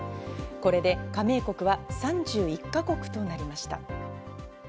これで加盟国は３１か国となりました。